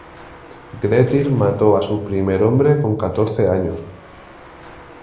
Grettir mató a su primer hombre con catorce años.